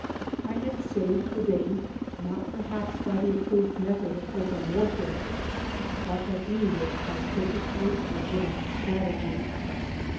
I had saved the day, not perhaps by the approved method of open warfare, but at any rate by perfectly legitimate strategy.